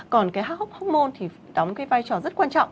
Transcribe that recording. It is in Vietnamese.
còn các cái hormôn thì đóng cái vai trò rất quan trọng